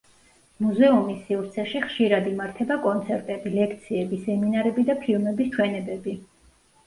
მუზეუმის სივრცეში ხშირად იმართება კონცერტები, ლექციები, სემინარები და ფილმების ჩვენებები.